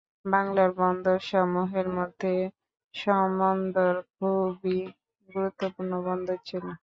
বাংলার বন্দরসমূহের মধ্যে সমন্দর খুবই গুরুত্বপূর্ণ বন্দর ছিল।